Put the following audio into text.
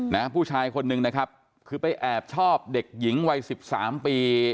นะผู้ชายคนนึงนะครับคือไปแอบชอบเด็กหญิงวัยสิบสามปี